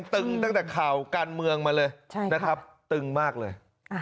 ตึงตั้งแต่ข่าวการเมืองมาเลยนะครับตึงมากเลย